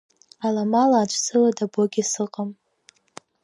Аламала аӡә сыла дабогьы сыҟам!